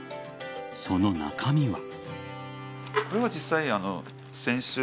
その中身は。